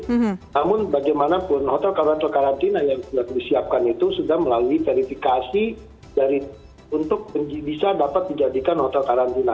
namun bagaimanapun hotel karantina yang sudah disiapkan itu sudah melalui verifikasi untuk bisa dapat dijadikan hotel karantina